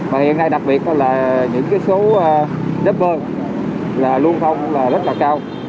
và hiện nay đặc biệt là những số đếp vơ lưu thông rất là cao